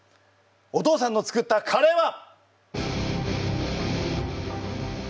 お父さんの作ったカレーは！